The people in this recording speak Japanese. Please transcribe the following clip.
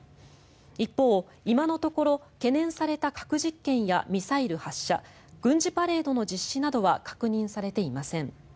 一方、今のところ懸念された核実験やミサイル発射軍事パレードの実施などは確認されていません。